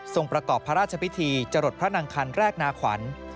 ประกอบพระราชพิธีจรดพระนางคันแรกนาขวัญ